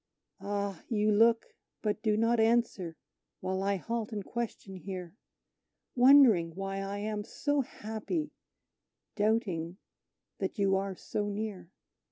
Ah! you look but do not answer while I halt and question here, Wondering why I am so happy, doubting that you are so near.